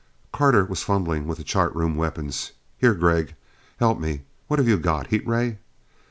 Carter was fumbling with the chart room weapons. "Here, Gregg. Help me. What have you got? Heat ray?